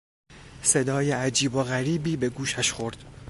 صدای عجیب و غریبی به گوشش خورد.